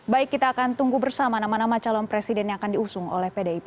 baik kita akan tunggu bersama nama nama calon presiden yang akan diusung oleh pdip